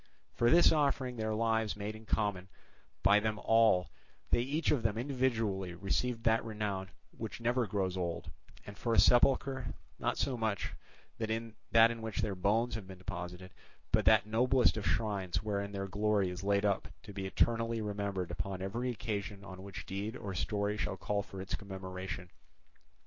For this offering of their lives made in common by them all they each of them individually received that renown which never grows old, and for a sepulchre, not so much that in which their bones have been deposited, but that noblest of shrines wherein their glory is laid up to be eternally remembered upon every occasion on which deed or story shall call for its commemoration.